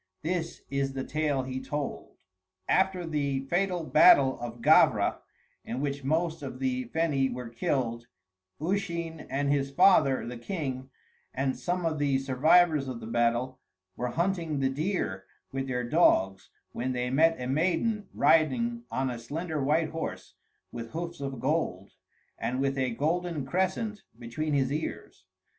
This is the tale he told: After the fatal battle of Gavra, in which most of the Feni were killed, Usheen and his father, the king, and some of the survivors of the battle were hunting the deer with their dogs, when they met a maiden riding on a slender white horse with hoofs of gold, and with a golden crescent between his ears.